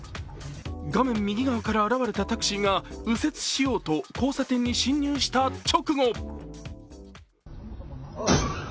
画面右側から現れたタクシーが右折しようと交差点に進入した直後。